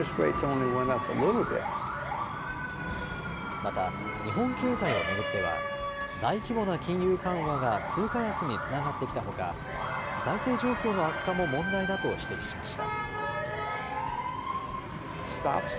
また、日本経済を巡っては、大規模な金融緩和が通貨安につながってきたほか、財政状況の悪化も問題だと指摘しました。